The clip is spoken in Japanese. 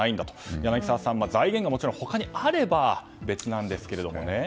柳澤さん、財源がもちろん他にあれば別なんですけれどもね。